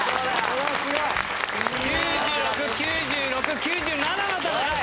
９６９６９７の戦い！